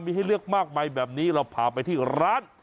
มีให้เลือกมากมายแบบนี้เราพาไปที่ร้าน